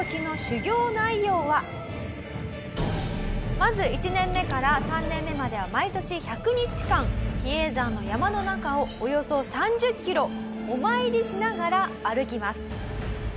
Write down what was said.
まず１年目から３年目までは毎年１００日間比叡山の山の中をおよそ３０キロお参りしながら歩きます。